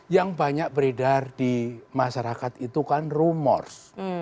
yang banyak beredar di masyarakat itu kan rumors